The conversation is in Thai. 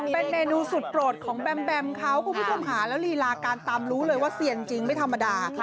เป็นเมนูสุดโปรดของแบมแบมเขาคุณผู้ชมหาแล้วลีลาการตามรู้เลยว่าเซียนจริงไม่ธรรมดา